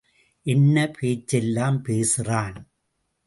என்ன பேச்செல்லாம் பேசறான்.